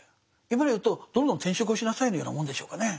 今で言うとどんどん転職をしなさいのようなもんでしょうかね。